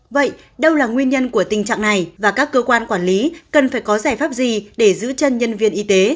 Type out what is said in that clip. vậy đâu là nguyên nhân của tình trạng này và các cơ quan quản lý cần phải có giải pháp gì để giữ chân nhân viên y tế